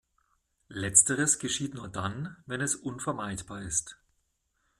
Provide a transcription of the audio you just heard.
Letzteres geschieht nur dann, wenn es unvermeidbar ist.